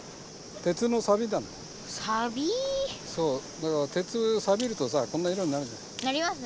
だから鉄サビるとさこんな色になるじゃん。なりますね。